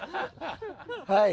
はい。